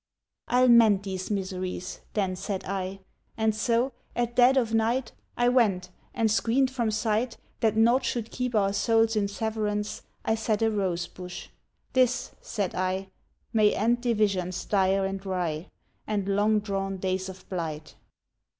"I'll mend these miseries," then said I, And so, at dead of night, I went and, screened from sight, That nought should keep our souls in severance, I set a rose bush. "This," said I, "May end divisions dire and wry, And long drawn days of blight."